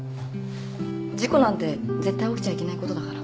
事故なんて絶対起きちゃいけないことだから。